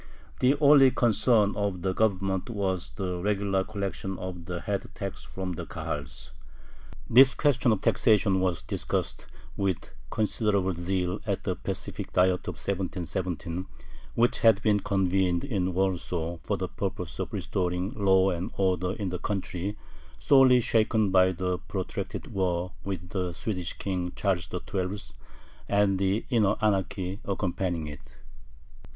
The only concern of the Government was the regular collection of the head tax from the Kahals. This question of taxation was discussed with considerable zeal at the "pacific" Diet of 1717, which had been convened in Warsaw for the purpose of restoring law and order in the country, sorely shaken by the protracted war with the Swedish king Charles XII. and the inner anarchy accompanying it.